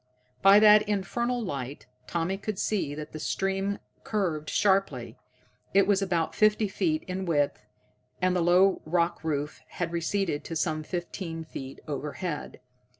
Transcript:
By that infernal light Tommy could see that the stream curved sharply. It was about fifty feet in width, and the low rock roof had receded to some fifteen feet overhead.